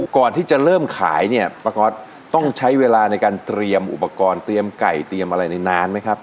ก่อนที่จะเริ่มขายเนี่ยป้าก๊อตต้องใช้เวลาในการเตรียมอุปกรณ์เตรียมไก่เตรียมอะไรในนานไหมครับ